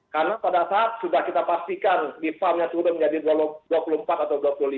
karena pada saat sudah kita pastikan di farmnya turun menjadi rp dua puluh empat atau rp dua puluh lima